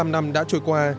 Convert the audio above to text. bốn mươi năm năm đã trôi qua